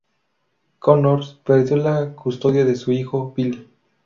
Connors perdió la custodia de su hijo, Billy.